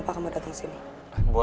boleh minta waktunya sebentar buat ngobrol